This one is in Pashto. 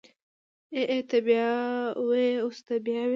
ای ای ته بيا ووی اوس ته بيا ووی.